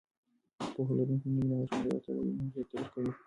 پوهه لرونکې میندې د ماشومانو د روغتیا بدلونونه ژر درک کوي.